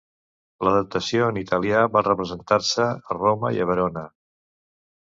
L'adaptació en italià va representar-se a Roma i a Verona.